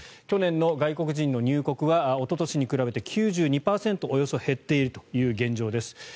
去年の外国人の入国はおととしに比べておよそ９２％減っているという現状です。